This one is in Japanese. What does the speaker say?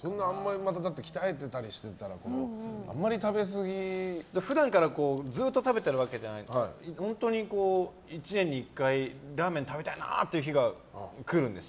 鍛えてたりしたら普段からずっと食べてるわけじゃなくて本当に１年に１回ラーメン食べたいなって日が来るんですよ。